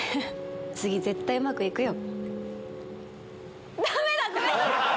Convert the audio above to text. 次絶対うまくいくよ。